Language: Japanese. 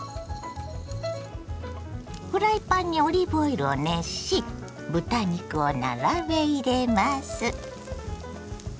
フライパンにオリーブオイルを熱し豚肉を並べ入れます。